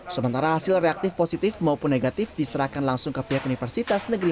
sementara hasil reaktif positif maupun negatif diserahkan langsung ke pihak universitas negeri